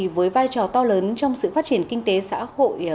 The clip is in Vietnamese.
với vai trò to lớn trong sự phát triển kinh tế xã hội